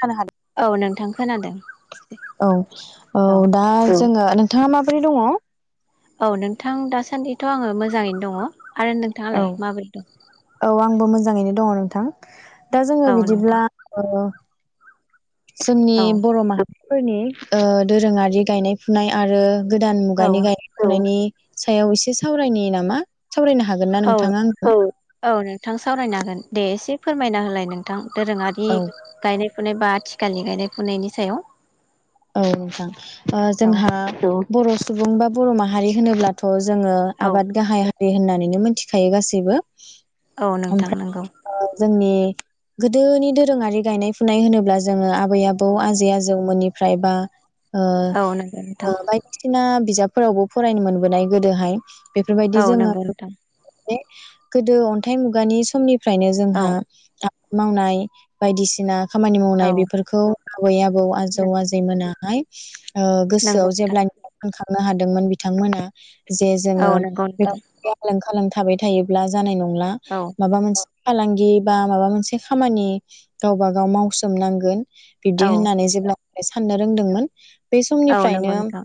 खोनाहै औ नोंथां खोनादों। औ औ दा जोङो नोंथाङा माबोरै दङ? औ नोंथां दासान्दिथ' आङो मोजाङैनो दङ आरो नोंथाङालाय माबोरै दं? ङैनो दङ नोंथां दा जोङो औ नोंथां बिदिब्ला ओ जोंनि औ बर' माहारिफोरनि ओ दोरोङारि गायनाय फुनाय आरो गोदान औ मुगानि गायनाय फुनायनि सायाव एसे सावरायनि नामा सावरायनो हागोन ना औ नोंथाङा आंजों? औ नोंथां सावरायनो हागोन दे एसे फोरमायना होलाय नोंथां। दोरोङारि औ गायनाय फुनाय बा आथि खालनि गायनाय फुनायनि सायाव। औ नोंथां ओ औ जोंहा बर' सुबुं बा बर' माहारि होनोब्लाथ' जोङो औ आबाद गाहाइ होननानैनो मिथिखायो गासैबो। औ ओमफ्राय नोंथां नोंगौ। जोंनि गोदोनि दोरोङारि गायनाय फुनाय होनोब्ला जोङो आबै आबौ औ आजै आजौ मोननि फ्राय बा ओ औ नंगौ नोंथां ओ बायदिसिना बिजाब फोरावबो फरायनो मोनबोनाय गोदोहाय बेफोरबायदि औ जोङो नंगौ नोंथां बे गोदो अन्थाइ मुगानि समनि फ्रायनो औ जोंहा मावनाय बायदिसिना खामानि औ मावनाय बेफोरखौ आबै आबौआ आजौ आजै मोनाहाय [inaudible] ओ नंगौ गोसोआव नोंथां जेब्लानिफ्राइ [unintelligible] हमनो हादोंमोन बिथांमोना। जे औ जोङो नंगौ नोंथां [unintelligible] खालाम थाबाय थायोब्ला जानाय न नंला औ माबा मोनसे फालांगि बा माबा मोनसे खामानि गावबा गाव मावसोमनांगोन। बिब्दि औ होननानै जेब्ला साननो रोंदोंमोन। बे औ नंगौ समनिफ्रायनो नोंथां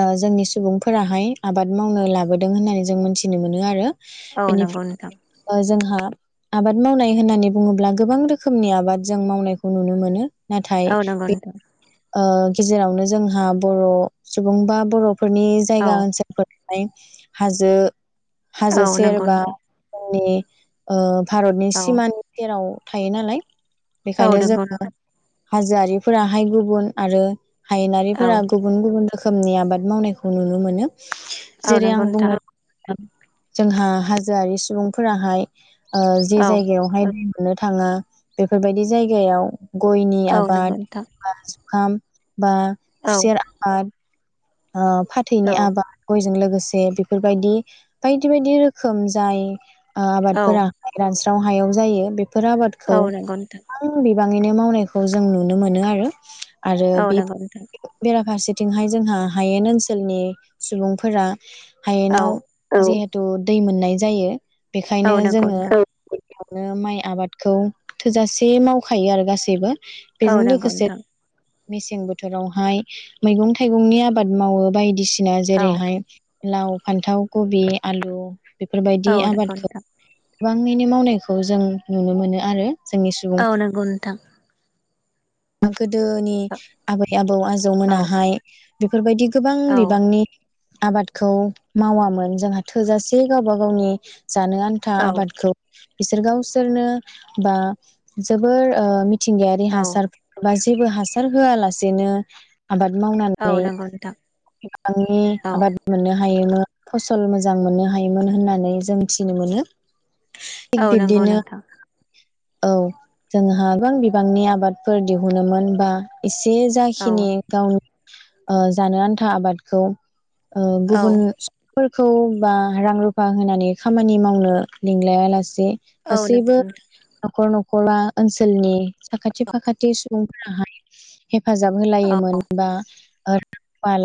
ओ जोंनि सुबुंफोराहाय आबाद मावनो लाबोदों होननानै जों मोनथिनो मोनो आरो। औ नंगौ नोंथां बेनिफ्रायबो जोंहा आबाद मावनाय होननानै बुङोब्ला गोबां रोखोमनि आबाद जों मावनायखौ नुनो मोनो। नाथाय औ नंगौ बे नोंथां ओ गेजेरावनो जोंहा बर' सुबुं बा बर' फोरनि जायगा औ ओनसोलफोर आमफ्राय हाजो हाजो औ सेर नंगौ बा नोंथां जोंनि ओ भारतनि औ सिमानि सेराव थायो नालाय। औ बेखायनो नंगौ जोङो नोंथां हाजोआरिफोराहाय गुबु न आरो औ हायेनारिफोरा गुबुन गुबुन रोखोमनि आबाद मावनायखौ नुनो मोनो। औ जेरै आं नंगौ नोंथां बुंनो लुबैदों जोंहा हाजोआरि सुबुंफोराहाय ओ जे औ जायगायावहाय मोननो थाङा बेफोरबायदि जायगायाव गयनि औ नंगौ आबाद नोंथां बा खाम बा औ खुसेर आबाद ओ फाथैनि औ आबाद गयजों लोगोसे जे बेफोरबायदि बायदि बायदि रोखोम जाय औ आबादफोरा रानस्रा व हायाव जायो बे फोर आबादखौ औ नंगौ नोंथां आं गोबाङैनो मावनायखौ जों नुनो मोनो आरो आरो औ बे नंगौ नोंथां बेराफारसे बिथिंहाय जोंहा हायेन ओनसोलनि सुबुंफोरा औ हायेनाव जे थ' दै मोननाय जायो । औ बेखायनो नंगौ जोङो नोंथां बेयावनो माइ आबादखौ थोजासे मावखायो आरो गासैबो औ बेजों नोंगौ लोगोसे नोंथां । मेसें बोथोरावहाय मैगं थाइगंनि आ आबाद मावो बायदिसि ना औ जेरैहाय लाव, फान्थाव, खबि, आलु बेफोरबायदि औ नंगौ आबादखौ नोंथां गोबाङैनो मावनायखौ जों नुनो मोनो आरो जोंनि सुबुं थां [unintelligible] गोदोनि आबै आबौ आजौ मोनाहाय बेफोरबायदि गोबां औ बिबांनि आबादखौ मावामोन जोंहा थोजासे गावबा गावनि जानो आन्था आबादखौ बिसोर गावसोरनो बा जोबोर ओ थिंगायारि औ हासार जेबो हासार होआलासेनो आबाद औ मावनानै नंगौ नोंथां बिबांनि औ आबाद मोननो हायोमोन । फसल मोजां मोननो हायोमोन होननानै जों मिथिनो मोनो । औ नंगौ नोंथां। औ जोंहा गोबां बिबांनि आबाद । फोर दिहुनोमोन बा ' [inaudible] '। बे औ जाखिनि गाव ' [inaudible] '। जानो आन्था आबादखौ ओ औ गुबुन फोरखौ बा रां रुफा होनानै खामानि मावनो लिंलायालासे औ नंगौ गासैबो नोंथां नखर नखर खोला ओनसोलनि साखाथि साखाथि सुबुंफोराहाय हेफाजाब औ होलायोमोन बा ओ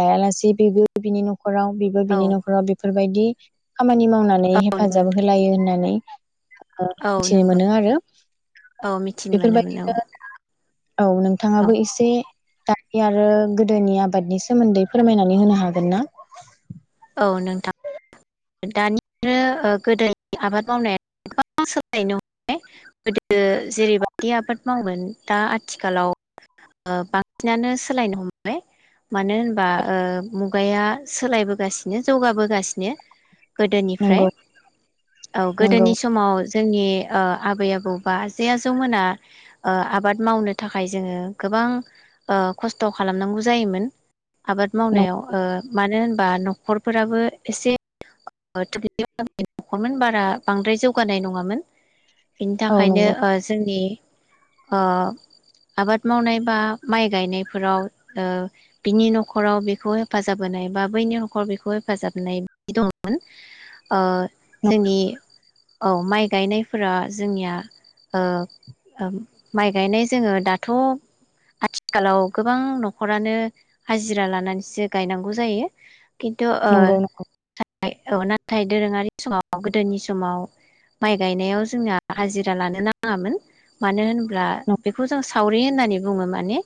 लायालासे बेबो बिनि न' न'खराव बिबो औ बिनि न'खराव बेफोरबायदि दि खामानि मावनानै औ नंगौ हेफाजाब नोंथां होलायो होननानै औ मिथिनो नंगौ मोनो आरो औ मिथिनो मोनोमोन औ बेफोरबायदिनो औ औ नोंथाङाबो एसे दानि आरो गोदोनि आबादनि सोमोन्दै फोरमायनानै होनो हागोन ना? औ नोंथां दानि आरो गोदोनि आबाद मावनाया गोबां सोलायनो हमबाय गोदो जेरैबायदि आबाद मावगोन दा आथिखालाव बांसिनानो सोलायनो हमबाय मानो होनबा मुगाया सोलायबोगासिनो जौगाबोगासिनो गोदोनिफ्राय नंगौ औ नंगौ गोदोनि समाव जोंनि ओ आबै आबौ बा आजै आजौमोना ओ आबाद मावनो थाखाय जोङो गोबां ओ खस्थ' खालामनांगौ जायोमोन । आबाद नं मावनायाव मानो होनबा न'खरफोराबो एसे आ [unintelligible] [inaudible] बांद्राय जौगानाय नङामोन । बिनि औ थाखायनो नंगौ ओ जोंनि ओ आबाद मावनाय बा माइ गायनायफोराव ओ बिनि न'खराव बेखौ हेफाजाब होनाय बा बैनि न'खराव बेखौ हेफाजाब होनाय दंमोन ओ जोंनि औ माइ गायनायफोरा जोंनिया ओ ओम माइ गायनाय जोङो दाथ'आथिखालाव गोबां न'खरानो हाजिरा लानानैसो गायनांगौ जायो । खिन्थु ओ नंगौ नंगौ थाय औ नाथाय दोरोङारि समाव गोदोनि समाव माइ गायनायाव जोंना हाजिरा लानो नाङामोन मानो होन ब्ला बेखौ जों सावरि होननानै बुङो माने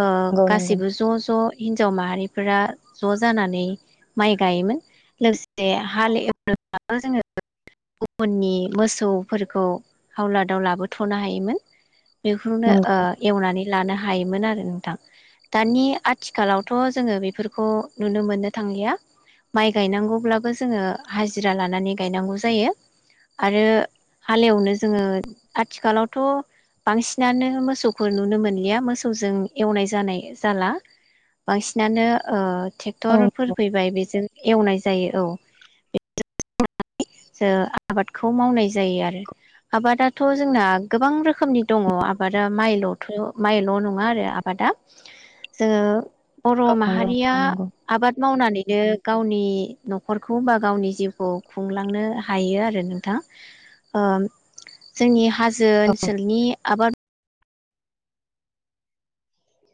ओ नंगौ नंगौ गासिबो ज ज हिन्जाव माहारिफोरा ज जानानै माइ गायोमोन। लोगोसे हाल एवनोब्लाबो जोङो गुबुननि मोसौफोरखौ हावलादाव लाबोथनो हायोमोन। बेखौनो ओ नंगौ एवनानै लानो हा हायोमोन आरो नोंथां । दानि आथिखालावथ जोङो बेफोरखौ नुनो मोननो थांलिया । माइ गायनांगौब्लाबो जोङो हाजिरा लानानै गायनांगौ जायो आरो हालेवनो जोङो आथिखालावथ बांसिनानो मोसौखौ नुनो मोनलिया मोसौजों एवनाय जानाय जाला बांसिनानो ओ औ थेक्टरफोर नंगौ फैबाय बेजों नाय जायो औ जो आबादखौ मावनाय जायो आरो आबादाथ जोंना गोबां रोखोमनि दङ आबादा माइलथ माइल नङा आरो आबादा जोङो बर नंगौ माहारिया नंगौ नंगौ। आबाद मावनानै नो गावनि नखरखौ बा गावनि जिउखौ खुंलांनो हायो आरो नोंथां ओ जोंनि हा जो ओनसोलनि आबाद